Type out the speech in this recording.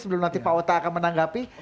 sebelum nanti pak ota akan menanggapi